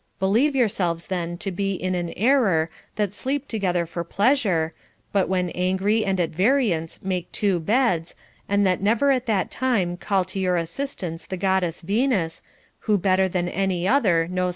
Believe yourselves then to be in an error that sleep together for pleasure, but when angry and at variance make two beds, and that never at that time call to your assistance the Goddess Venus, who better than any other knows CONJUGAL PRECEPTS.